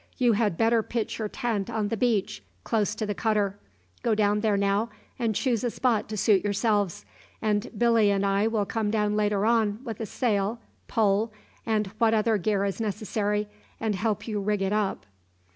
You had better pitch your tent on the beach, close to the cutter. Go down there now and choose a spot to suit yourselves, and Billy and I will come down later on with a sail, pole, and what other gear is necessary, and help you to rig it up."